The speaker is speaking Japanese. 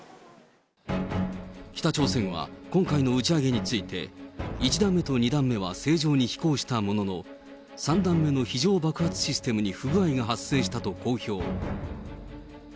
北朝鮮は今回の打ち上げについて、１段目と２段目は正常に飛行したものの、３段目の非常爆発システムに不具合が発生したと公表。